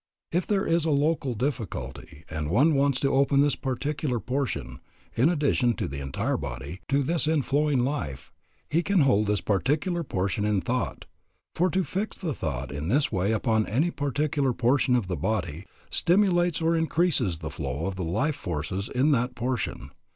If there is a local difficulty, and one wants to open this particular portion, in addition to the entire body, to this inflowing life, he can hold this particular portion in thought, for to fix the thought in this way upon any particular portion of the body stimulates or increases the flow of the life forces in that portion.